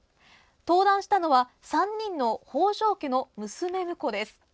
登壇したのは３人の北条家の娘婿です。